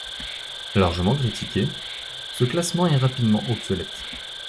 Largement critiqué, ce classement est rapidement obsolète.